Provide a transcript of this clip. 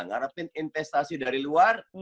ngarapin investasi dari luar